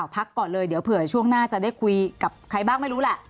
พักก่อนเลยเดี๋ยวเผื่อช่วงหน้าจะได้คุยกับใครบ้างไม่รู้แหละ